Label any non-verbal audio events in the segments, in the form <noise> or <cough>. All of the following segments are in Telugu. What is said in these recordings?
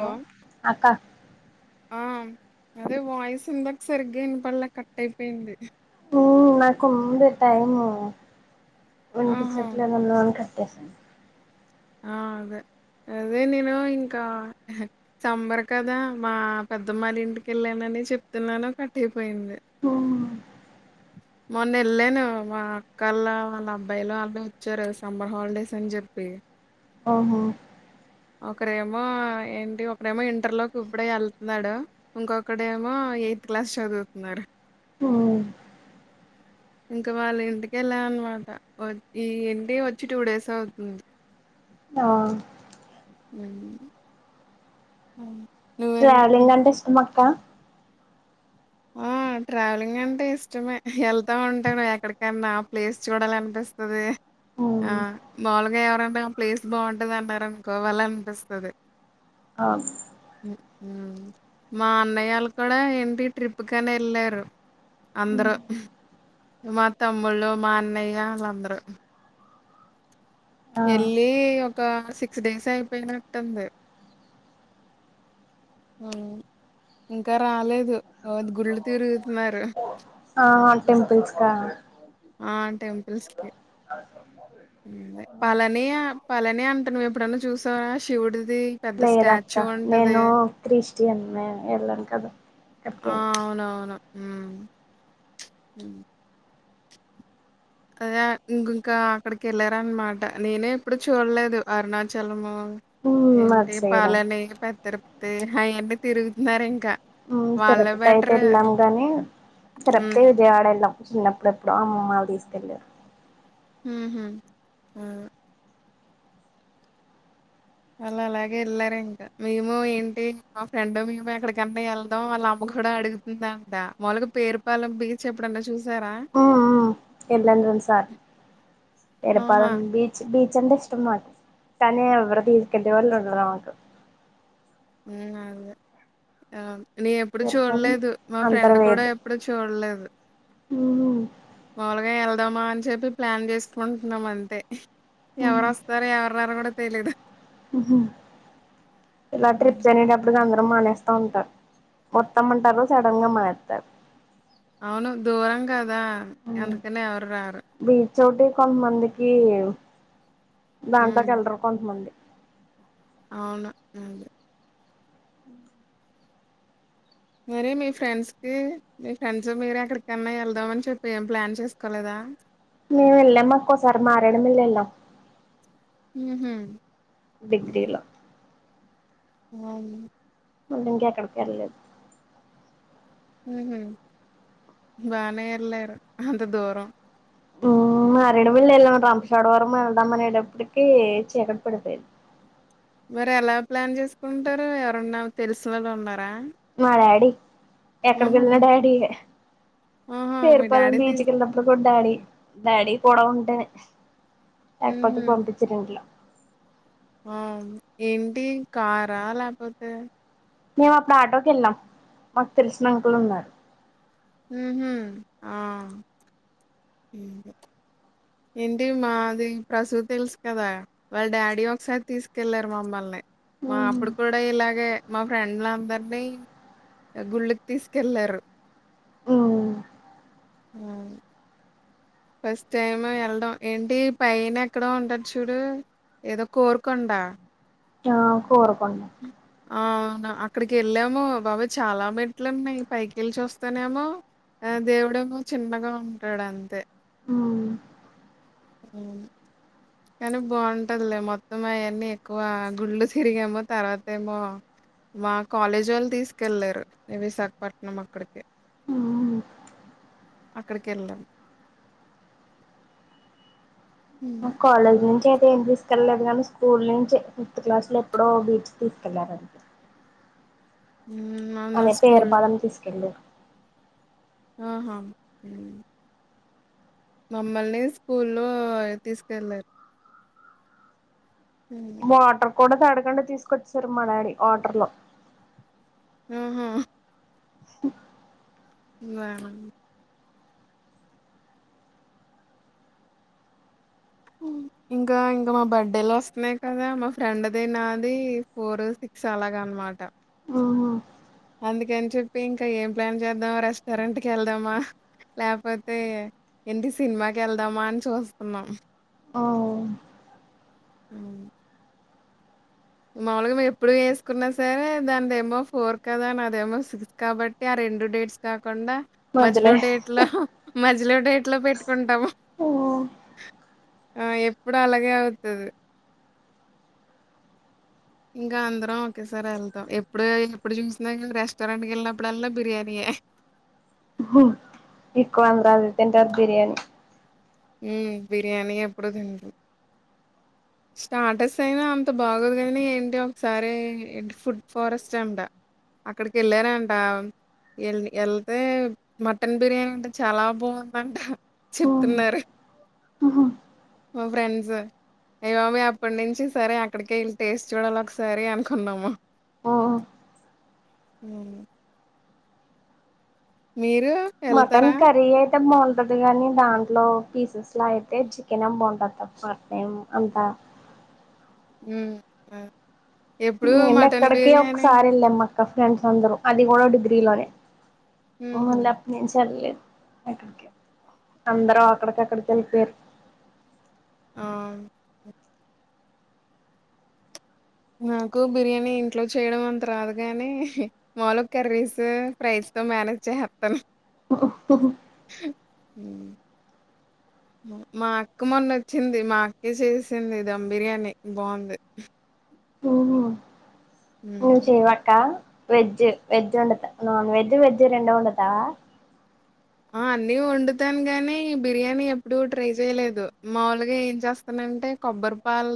హలో అక్క ఆ అదే వాయిస్ ఇందాక సరిగ్గా వినపడలే కట్ అయిపోయింది. హు నాకు ఉంది టైంము ఉంట ఆహా చెట్ల ఏమైనా ఉంటే రసం ఆ అదే అదే నేను ఇంకా సంబర్ కదా మా పెద్దమ్మలు ఇంటికి వెళ్ళానని చెప్తున్నాను కట్టటి హో మొన్న వెళ్ళాను మా అక్కలా వాళ్ళ అబ్బాయిలు వాళ్ళే వచ్చారు సంబర్ హాలిడేస్ అని చెప్పి ఓహో ఒకరేమో ఏంటి ఒకరేమో ఇంటర్ లోకి ఇప్పుడే ఎళ్తున్నాడు ఇంకొకడు ఏమో ఎయిత్ క్లాస్ చదువుతున్నాడు. ఇంకా వాళ్ళ ఇంటికెళ్ళ అనమాట వా ఈ ఇంటి వచ్చి టూ డేస్ అవుతుంది నా లాబ్ హా ట్రావెలింగ్ అంటే ఇష్టం అక్క ఆ ట్రావెలింగ్ అంటే ఇష్టమే ఏళ్తావుంటాం ఎక్కడికన్నా ఆ ప్లేస్ చూడాలనిపిస్తుంది ఆ మాములుగా ఎవరన్న ఆ ప్లేస్ బావుంటాది అన్నారు అనుకో వెళ్ళాలి అనిపిస్తది ఆ గ్ మా అన్నయ్యళ్ళ కూడా ఏంటి ట్రిప్ ట్రిప్ కనే వెళ్ళారు అందరూ మా తమ్ముళ్ళు మా అన్నయ్య వాళ్ళందరూ ఆ ఎళ్లి ఒక సిక్స్ డేస్ అయిపోయినట్టుంది హామ్ ఇంకా రాలేదు రోజు గుళ్ళు తిరుగుతున్నారు ఆ టెంపుల్స్ కా ఆ టెంపుల్స్కి పలనే పలానే అంటా నువ్వు ఎప్పుడైన్నా చూసావా శివుడు లేదక్క నేను క్ర్రిస్టియన్ నీ ఎల్లను కదా అక్కడికి ఆ అవునవును హుమ్ అ అదే ఇంకంకా అక్కడికి వెళ్ళరా అన్నమాట నేనే ఎప్పుడు చూడలేదు అరుణాచలము అది ఏంటి చేయడం బాలనే పెద్దరి తె హై అంటే తిరుగుతున్నారు ఇంకా హుమ్ వాళ్ళే తిరుపతి అయితే బెటర్ వెళ్ళాం గాని తిరుపతి విజయవాడ వెళ్ళాం చిన్నప్పుడెప్పుడో అమ్మమ్మళ్ళు తీసుకెళ్ళారు హుమ్ హూ వాళ్ళు అలాగే వెళ్లారు ఇంకా మేము ఏంటి మా ఫ్రెండ్ మేము ఎక్కడికంట వెళ్దాం వాళ్ళ అమ్మ కూడా అడుగుతుంద అంట మలగా పేరుపాలెం బీచ్ ఎప్పుడన్నా చూసారా ఏల్లాము రెండు సార్లు ఆహా ఎడపాలం బీచ్ బీ చ్ అంటే ఇష్టం నాకు కానీ ఎవరు తీసుకెళ్లే వాళ్ళు ఉండరు అనమాట ఉమ్ ఆ అ ఆమ్ నీ ఎప్పుడు పేరుపాలెం చూడలేదు మా ఫ్రెండ్ కూడా ఎప్పుడు చూడలేదు మవును మాములుగా వెళ్దామా అని చెప్పి ప్లాన్ చేసుకుంటున్నాం అంతే ఎవరు వస్తారు ఎవరూ రారు కూడా తేలదు హూ హుమ్ ఇలా ట్రిప్స్ హ్మ్. వెళ్ళినప్పుడుకి అందరూ మానేస్తా ఉంటారు మొత్తం అంటారు సడన్ గా మానేస్తారు అవును దూరం కాద్ దా అందుకనే ఎవరు రారు చోటి కొంతమందికి దాంట్లో కి ఉమ్ వెళ్ళలరు కొంతమంది అవును అండీ మరి మీ ఫ్రెండ్స్ కి మీ ఫ్రెండ్స్ మీరూ ఎక్కడికన్నా వెళ్దామని చెప్పి ఏం ప్లాన్ చేసుకోలేదా మేము వెళ్ళాం అక్క ఒకసారి మారేడుమిల్ వెళ్ళిన్నాం హు హుమ్ డిగ్రీలో <unintelligible> మళ్ళీ ఇంకెక్కడికీ వెళ్లేదు ఊహూ బానే ఎళ్ళారు అంత దూరం ఊ మారేడు వెల్లి వెళ్ళాం రాంపచోడవరం వెళ్దాం అనేటప్పటికి చీకటి పడిపోయింది మరి ఎలా ప్లాన్ చేసుకుంటారు ఎవరన్నా తెలిసినోళ్ళున్నా మా డాడీ ఉహు ఎక్కడికెళ్ళినా డాడీ ఆహా! మీ పేరుపాళెం డ్యాడీ బీచ్ తీస్ కి ఎళ్ళినప్పుడు కూడా డాడీ డాడీ కూడా ఉంటేనే లేకపోతే పంపిచ్చరు ఇంట్లో అవును ఏంటి కార్ ఆ లేకపోతే మేం అప్పుడు ఆటోకెళ్ళాం మాకు తెలిసిన అంకుల్ ఉన్నారు ఊహూ ఆ <unintelligible> ఏంటి మాది ప్రసూ తెలుసు కదా వాళ్ళ డాడీ ఒకసారి తీసుకెళ్లారు మమ్మల్ని మా అప్పుడు కూడా ఇలాగే మా ఫ్రెండ్లందరినీ గుళ్ళుకి తీసుకెళ్ళారు అవును ఫస్ట్ టైము ఎళ్ళడం ఏంటి పైన ఎక్కడో ఉంటది చూడు ఏదో కోరుకొండ ఆ కోరుకొండ అవును అక్కడికి వెళ్ళాము బాబోయ్ చాలా మెట్లున్నాయి పైకెళ్ళి చూస్తేనేమో దేవుడేమో చిన్నగా ఉంటాడు అంతే కానీ బావుంటదిలే మొత్తం అయన్నీ ఎక్కువ గుళ్లు తిరిగాము తర్వాత ఏమో మా కాలేజీ వాళ్ళు తీసుకెళ్ళారు విశాఖపట్నం అక్కడికి అక్కడికెళ్ళాము కాలేజ్ నుంచే తే ఏం తీసుకెళ్ళ లేదు కానీ స్కూల్ నుంచి ఫిఫ్త్ క్లాస్ లో ఎప్పుడో బీచ్ కి తీసుకెళ్లారు అంతే హ్మ్. నన్ను అదే స్కూల్ పేరుపాళెం తీసుకెళ్ళారు ఆహా ఉమ్ మమ్మల్ని స్కూల్లో తీసుకెళ్ళారు వాటర్ కూడా తాడకుండా తీసుకొచ్చేశారు మా డాడీ ఆటర్ లో ఆహా <unintelligible> ఇంకా ఇంకా మా బర్డే లొస్తున్నాయి కదా మా ఫ్రెండ్ ది నాది ఫోర్ సిక్స్ అలాగ అనమాట ఆహా అందుకని చెప్పి ఇంకా ఏం ప్లాన్ చేద్దాం రెస్టారెంట్ కెళ్దామా లేకపోతే ఏంటి సినిమాకెళ్దామా అని చూస్తున్నాం <inaudible> మాములుగా మేం ఎప్పుడూ వేసుకున్నా సరే దానిదేమో ఫోర్ కదా నాదేమో సిక్స్ కాబట్టి ఆ రెండు డేట్స్ కా కుండా మజ్జలో మధ్యలో డేట్ లో మజ్ జ్జలో డేట్ లో పెట్టుకుంటాము ఆ ఎప్పుడూ అలాగే అవుతది ఇంకా అందరం ఒకేసారి ఎళ్తాం ఎప్పుడూ ఎప్పుడూ చూసినా రెస్టారెంట్ కెళ్ళినప్పుడల్లా బిర్యానీ యే ఎక్కువ అందరూ అదే తింటారు బిర్యానీ ఊ బిర్యానీ ఎప్పుడూ తింట్రు స్టార్టర్స్ అయినా అంత బాగోదు గానీ ఏంటి ఒకసారి ఫుడ్ ఫారెస్ట్ అంట అక్కడికెళ్ళారంట ఎల్ ఎళ్తే మటన్ బిర్యానీ అంట చాలా బావుందంట చెప్తున్నారు మా ఫ్రెండ్స్ ఏమా మీ అప్పటి నుంచి సరే అక్కడికే ఎల్లి టేస్ట్ చూడాల ఒకసారి అనుకున్నామా మీరు మటన్ ఎళ్తారా? కర్రీ ఐతే మాన్ డదు గానీ దాంట్లో పీసెస్ లా అయితే చికెనెం బావుంటాది తప్ప ఏం అంత ఉ నేను ఎక్కడికి ఒకసారి వెళ్ళమ్మక్క ఫ్రెండ్స్ అందరూ అది కూడా డిగ్రీ లోనే నువ్వు హుహు. ఉన్నప్పటి నుంచి వెళ్లలేదు అందరం అక్కడికి కక్కడికి వెళ్ళపోయారు ఆ! నాకు బిర్యానీ ఇంట్లో చేయడం అంత రాదు గాని మాలు కర్రీస్ ఫైస్ తో మేనేజ్ చేసేత్తను ఉహు ఉహు మా అక్క మొన్న వచ్చింది మా అక్కే చేసింది ధమ్ బిర్యానీ బాగుంది నువ్వు చేయవాక్క వెజ్ వెజ్ ఉండతా నాన్ వెజ్ వెజ్జ్ రెండో ఉండతావా ఆ అన్ని వండుతాను గానీ బిర్యానీ ఎప్పుడు ట్రై చేయలేదు మాముూలుగా ఏం చేస్తానంటే కొబ్బరి పాలు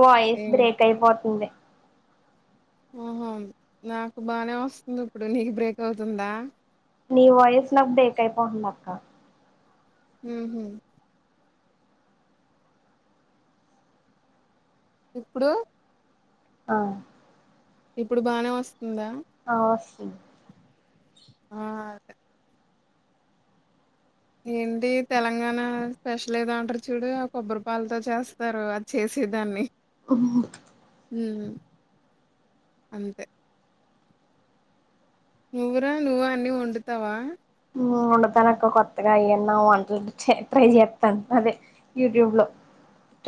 వాయిస్ బ్రేక్ అయిపోతుంది ఆహో నాకు బానే వస్తుంది ఇప్పుడు నీకు బ్రేక్ అవుతుందా నీ వాయిస్ నాకు బ్రేక్ అయిపోతుంది అక్క ఉహు ఇప్పుడు ఆ ఇప్పుడు బానే వస్తుందా ఆ వస్తుంది ఆ ఏంటి తెలంగాణ స్పెషల్ ఏదంటారు చూడు ఆ కొబ్బరిపాలతో చేస్తారు అది చేసేదాన్ని ఉ ఉహు నువురా నువ్ అన్ని వండుతావా ఉండతానుక్క కొత్తగా అన్నా వంట ట్రై చేస్తాను అదే యూట్యూబ్ లో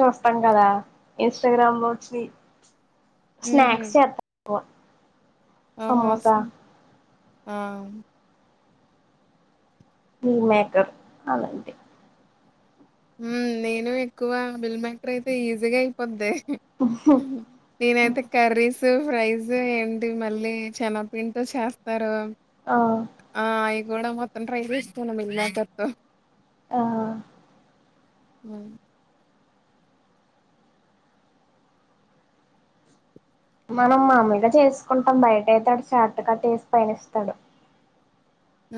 చూస్తాం కదా ఇన్స్టాగ్రామ్ లో వచ్చినయ్ స్నాక్స్ చే ఆహా స ఆ ఈ మేకర్ అలాంటి ఉ నేను ఎక్కువ బిల్ మేకర్ అయితే ఈజీగా అయిపోద్ది నేనైతే కర్రీస్ ఫోటో ప్రైస్ ఏంటి మళ్ళీ చేనా పిండితో చేస్తారు ఆ ఆ ఆయి కూడా మొత్తం ట్రై చేస్తాను మిల్ మేకర్ తో ఆ అ మనం మామూలుగా చేసుకుంటాం బయట అయితే అడు చాట్ కట్టేసి పైనేసి ఇస్తాడు ఊ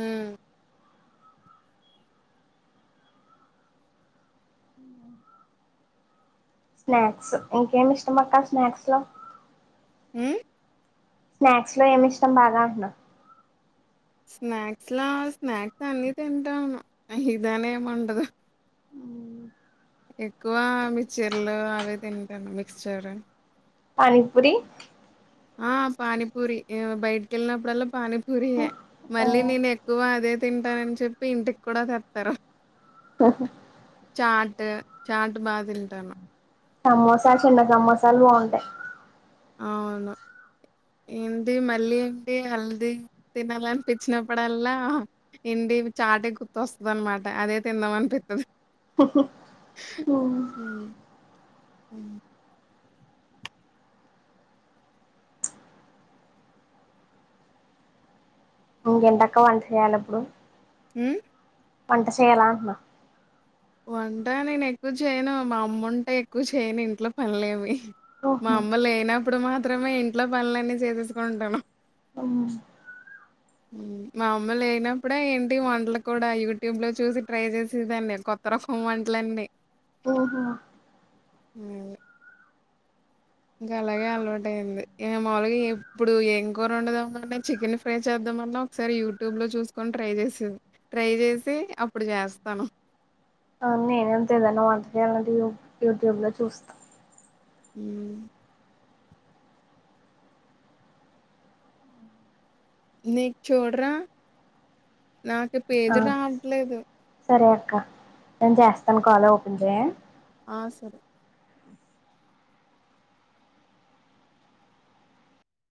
స్నాక్స్ ఇంకేంటి ఇష్టం అక్క స్నాక్స్ లో ఉ స్నాక్స్ లో ఏమి ఇష్టం బాగా అంటున్నా స్నాక్స్ లోలా స్నాక్స్ అన్ని తింటాను. అహదానే ఏమిండదు. ఎక్కువ మీ చీరలు అవే తింటాను మిక్స్ చేయడం పనీపూరి ఆ పానీపూరి బయటికి వెళ్ళినప్పుడల్లా పానీపూరియ మళ్ళీ ఆ నేను ఎక్కువ అదే తింటానని చెప్పి ఇంటికి కూడా తెతారు ఆహ చాట్ చాట్ బాధంటన్నా సమోసా చిన్న సమోసాలు బాగుంటాయి అవును ఇంటి మళ్ళీ ఏంటి హల్ది తినాలనిపించినప్పుడల్లా ఇం చాటే గుర్తొస్తుంది. అనమాట అదే తిందామ అనిపిస్తుది. <inaudible> అ ఇంకెంతక్క వంట చేయ్యాలి అప్పుడు హ పంట చేయలా అమ్మా వంట నేను ఎక్కువ చేయను. మా అమ్మ ఉంటే ఎక్కువ చేయను. ఇంట్లో పనిలేమి మా ఓహో అమ్మలు అయినా ఇప్పుడు మాత్రమే ఇంట్లో పనులన్నీ చేసేసుకుంటాను. మా అమ్మ లేయినప్పుడే ఏంటి వంటలు కూడా యూట్యూబ్ లో చూసి ట్రై చేసేదాన్ని కొత్త రకం వంటలన్నీ. ఓహో అ ఇంకా అలాగే అలవాటు అయింది. మాములుగా ఇప్పుడు ఏం కూర ఉండదంంటే చికెన్ ఫ్రై చేద్దాం అంట. ఒకసారి యూట్యూబ్ లో చూసుకొని ట్రై చేసేది ట్రై చేసి అప్పుడు చేస్తాను. నేనేం తెదనా అంటక అంట యూట్యూబ్ లో చూస్తాను అ నీకు చూడరా నాకు పేరు రావట్లేదు సరే అక్క నేను చేస్తాను కాాల ఓపెన్ చేయ ఆ సర